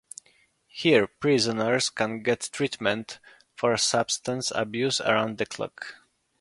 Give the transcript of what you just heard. Here prisoners can get treatment for substance abuse around the clock.